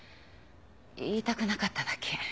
言いたくなかっただけ。